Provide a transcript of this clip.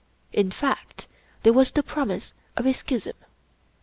In fact, there was the promise of a schism.